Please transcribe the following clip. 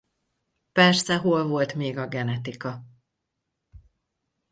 Persze hol volt még a genetika!